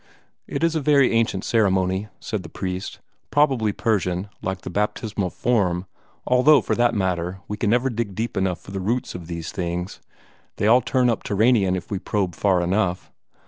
"It is a very ancient ceremony," said the priest; "probably Persian, like the baptismal form, although, for that matter, we can never dig deep enough for the roots of these things. They all turn up Turanian if we probe far enough.